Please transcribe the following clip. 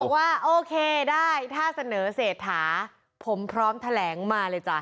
ว่าโอเคได้ถ้าเสนอเศรษฐาผมพร้อมแถลงมาเลยจ้ะ